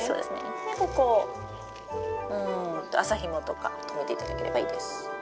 でここをうんと麻ひもとか留めていただければいいです。